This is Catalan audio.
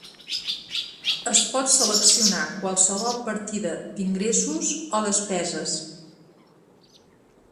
Es pot seleccionar qualsevol partida d’ingressos o despeses.